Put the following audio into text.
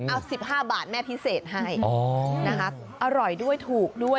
เอา๑๕บาทแม่พิเศษให้นะคะอร่อยด้วยถูกด้วย